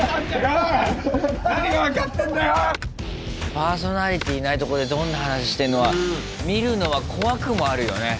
パーソナリティーいないとこでどんな話してんのか見るのが怖くもあるよね。